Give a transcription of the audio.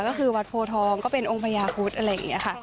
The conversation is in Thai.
ก็คือวัดโพทองก็เป็นองค์พญาคุธอะไรอย่างนี้ค่ะ